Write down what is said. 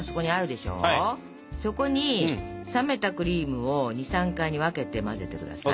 そこに冷めたクリームを２３回に分けて混ぜて下さい。